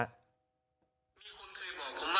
คนบอกว่าตายไปก็ออกไปไม่ได้หรอกเงิน